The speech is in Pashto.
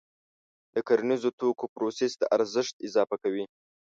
د کرنیزو توکو پروسس د ارزښت اضافه کوي.